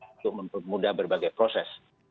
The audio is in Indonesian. untuk memudah berbagai proses